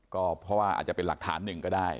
ก็เพราะว่าอาจจะเป็นหลักฐานหนึ่งก็ได้